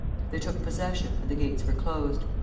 They took possession, and the gates were closed.